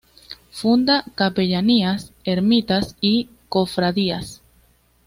Funda capellanías, ermitas y cofradías.